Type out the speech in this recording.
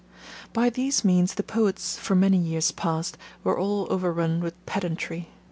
By these means the poets, for many years past, were all overrun with pedantry.